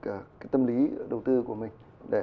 cái tâm lý đầu tư của mình